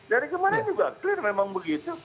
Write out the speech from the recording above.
dari kemarin juga clear memang begitu